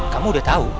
kamu udah tau